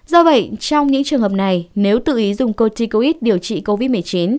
do vậy trong những trường hợp này nếu tự ý dùng cotticoid điều trị covid một mươi chín